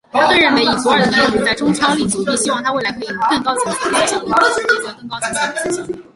他更认为以祖尔的能力可在中超立足并希望他未来可以在更高层次的比赛效力。